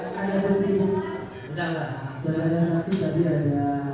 pada langkah pertama silahkan